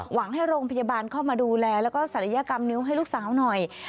หวังให้โรงพยาบาลเข้ามาดูแลแล้วก็ศัลยกรรมนิ้วให้ลูกสาวหน่อย